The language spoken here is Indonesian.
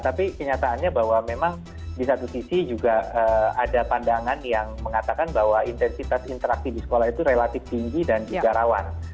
tapi kenyataannya bahwa memang di satu sisi juga ada pandangan yang mengatakan bahwa intensitas interaksi di sekolah itu relatif tinggi dan juga rawan